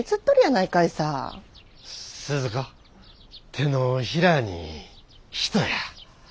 手のひらに人や。